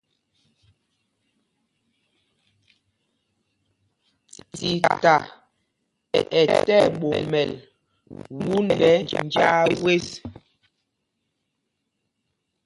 Tita ɛ tí ɛɓomɛl wundɛ njāā wɛ́.